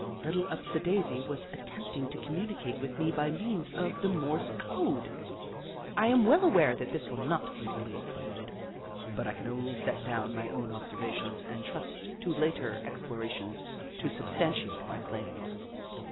Little Upsidaisi was atte7npti7ig to communicate with vie by means of the Mo7'se code / I am well aware that this will not be be lieved by the reader, but I can only set down my own observations and trust to later ex plorations to substantiate my claims.